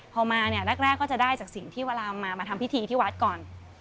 พอมาเนี่ยแรกก็จะได้จากสิ่งที่เวลามาทำพิธีที่วัดก่อน